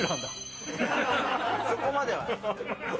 そこまでは。